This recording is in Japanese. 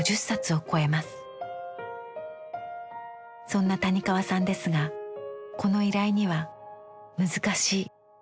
そんな谷川さんですがこの依頼には「難しい」とひと言。